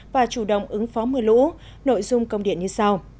và chủ động ứng phó mưa lũ nội dung công điện như sau